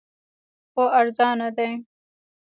خو ارزانه دی